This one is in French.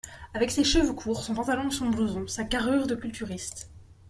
Avec ses cheveux courts, son pantalon et son blouson, sa carrure de culturiste